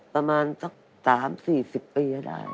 ประมาณสัก๓๔๐ปีให้ได้